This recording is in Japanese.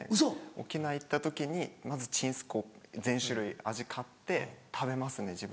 沖縄行った時にまずちんすこう全種類味買って食べますね自分。